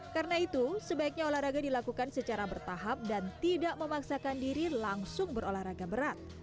karena itu sebaiknya olahraga dilakukan secara bertahap dan tidak memaksakan diri langsung berolahraga berat